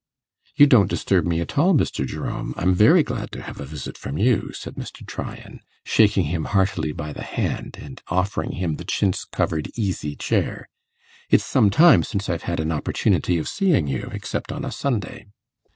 'You don't disturb me at all, Mr. Jerome; I'm very glad to have a visit from you,' said Mr. Tryan, shaking him heartily by the hand, and offering him the chintz covered 'easy' chair; 'it is some time since I've had an opportunity of seeing you, except on a Sunday.